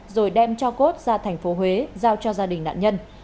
rồi đem cho cốt ra thành phố huế giao cho gia đình nạn nhân